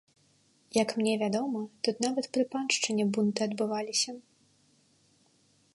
Як мне вядома, тут нават пры паншчыне бунты адбываліся.